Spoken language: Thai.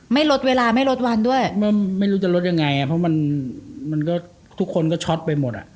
ไม่ลดเวลาไม่ลดวันด้วยไม่รู้จะลดยังไงอ่ะเพราะมันมันก็ทุกคนก็ช็อตไปหมดอ่ะ